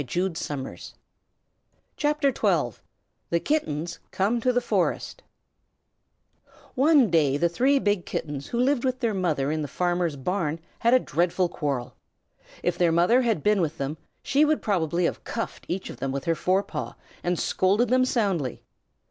THE KITTENS COME TO THE FOREST One day the three big Kittens who lived with their mother in the farmer's barn had a dreadful quarrel. If their mother had been with them, she would probably have cuffed each with her fore paw and scolded them soundly.